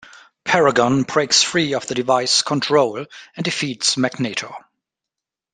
Paragon breaks free of the device's control and defeats Magneto.